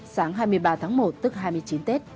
sáng hai mươi ba tháng một tức hai mươi chín tết